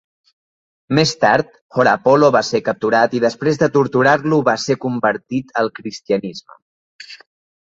Més tard Horapollo va ser capturat, i després de torturar-lo va ser convertir al cristianisme.